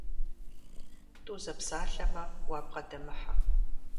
ТӀу зэпсалъэмэ, уабгъэдэмыхьэ.